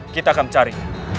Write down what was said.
kita akan mencari